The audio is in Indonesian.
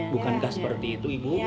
bukankah seperti itu ibu